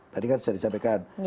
tadi kan saya disampaikan